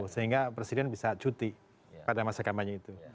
sehingga presiden bisa cuti pada masa kampanye itu